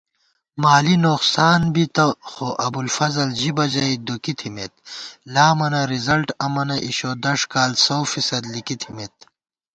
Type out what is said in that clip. مالی نوخسانبِتِبہ خو ابُوالفضل ژِبہ ژَئی دُکی تھِمېت * لامَنہ رِزلٹ اَمَنہ اِݭودش کال سوفیصد لِکی تھِمېت